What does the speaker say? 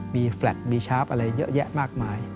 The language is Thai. มีแฟลตมีชาร์ฟอะไรเยอะแยะมากมาย